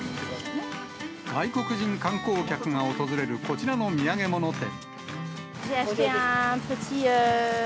外国人観光客が訪れるこちらの土産物店。